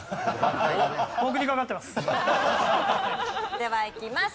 ではいきます。